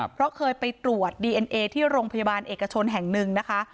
เพราะเคยไปตรวจดีเอ็นเอที่โรงพยาบาลเอกชนแห่งหนึ่งนะคะ